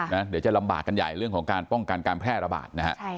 เดี๋ยวจะลำบากกันใหญ่เรื่องของการป้องกันการแพร่ระบาดนะฮะ